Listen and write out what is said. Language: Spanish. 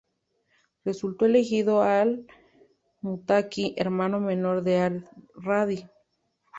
Resultó elegido Al-Muttaqui, hermano menor de Ar-Radi.